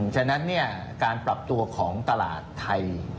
ฉะนั้นเนี่ยการปรับตัวของตลาดทัย